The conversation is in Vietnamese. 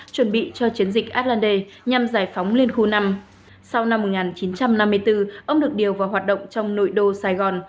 chuẩn bị cho chiến dịch atlande nhằm giải phóng liên khu năm sau năm một nghìn chín trăm năm mươi bốn ông được điều vào hoạt động trong nội đô sài gòn